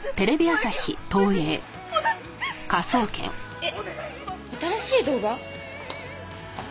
えっ新しい動画？